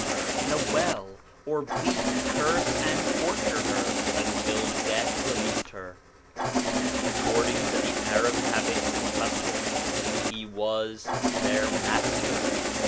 24 SOME ANSWERED QUESTIONS in a well, or beat, curse, and torture her until death released her. According to the Arab habits and customs, he was her master.